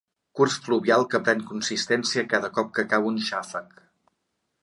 Curs fluvial que pren consistència cada cop que cau un xàfec.